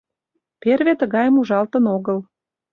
Перве тыгайым ужалтын огыл.